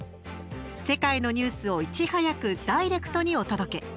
世界のニュースをいち早くダイレクトにお届け。